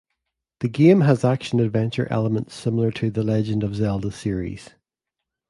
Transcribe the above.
The game has action adventure elements similar to The Legend of Zelda series.